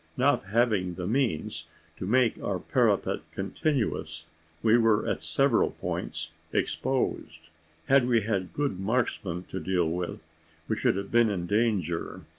Not having the means to make our parapet continuous, we were at several points exposed. Had we had good marksmen to deal with, we should have been in danger.